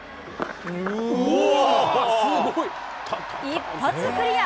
一発クリア。